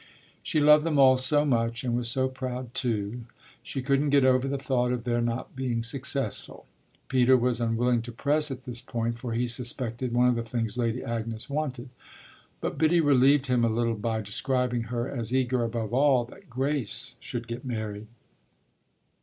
She loved them all so much and was so proud too: she couldn't get over the thought of their not being successful. Peter was unwilling to press at this point, for he suspected one of the things Lady Agnes wanted; but Biddy relieved him a little by describing her as eager above all that Grace should get married.